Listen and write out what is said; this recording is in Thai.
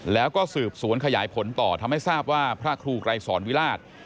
แล้วก็สืบสวนขยายผลต่อทำให้ทราบว่าพระครูไกรสอนวิราช